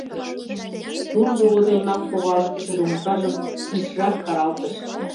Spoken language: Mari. Тул волгыдо йымак шогалын, тудо умшажым вишрак каралтыш.